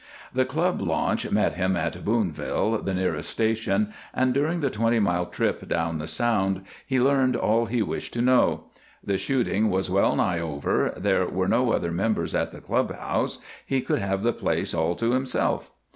The club launch met him at Boonville, the nearest station, and during the twenty mile trip down the Sound he learned all he wished to know. The shooting was well nigh over; there were no other members at the club house; he would have the place all to himself.